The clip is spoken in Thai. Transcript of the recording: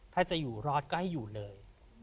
ถ้าจะอยู่รอดก็ให้อยู่เลย